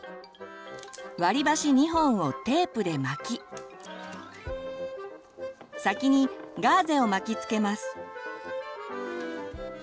割り箸２本をテープで巻き先にガーゼを巻きつけます。